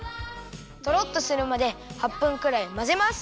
とろっとするまで８分くらいまぜます。